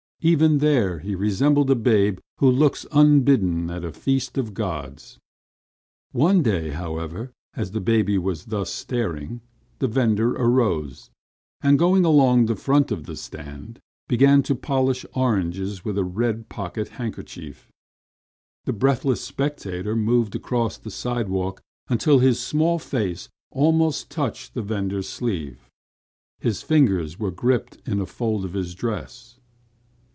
Even there he resembled a babe who looks unbidden at a feast of gods. One day, however, as the baby was thus staring, the vendor arose, and going along the front of the stand, began to polish oranges with a red pocket handkerchief. The breathless spectator moved across the sidewalk until his small face almost touched the vendor's sleeve. His fingers were gripped in a fold of his dress.